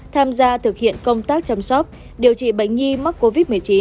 tham gia thực hiện công tác chăm sóc điều trị bệnh nhi mắc covid một mươi chín